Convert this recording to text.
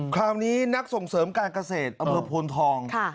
คราวนี้นักส่งเสริมการเกษตรอำเภอโพนทอง